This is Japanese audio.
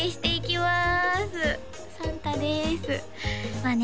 まあね